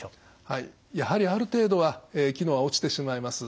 はいやはりある程度は機能は落ちてしまいます。